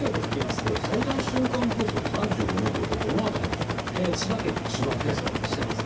これ、最大瞬間風速３５メートルって、どの辺りですか？